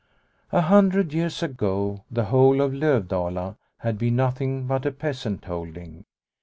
A hundred years ago the whole of Lovdala had been nothing but a peasant holding.